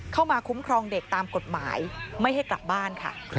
เข้ามาคุ้มครองเด็กตามกฎหมายไม่ให้กลับบ้านค่ะ